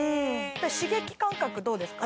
刺激感覚どうですか？